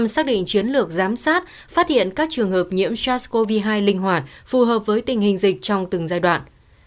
xác định chiến lược giám sát phát hiện các trường hợp nhiễm sars cov hai linh hoạt phù hợp với tình hình dịch trong từng giai đoạn